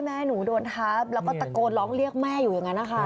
แม่หนูโดนทับแล้วก็ตะโกนร้องเรียกแม่อยู่อย่างนั้นนะคะ